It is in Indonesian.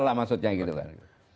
lah maksudnya gitu kan